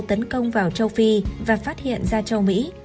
tấn công vào châu phi và phát hiện ra châu mỹ